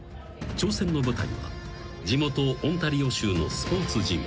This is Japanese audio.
［挑戦の舞台は地元オンタリオ州のスポーツジム］